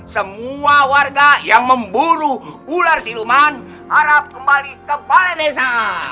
semua warga yang memburu ular siluman harap kembali ke balai desa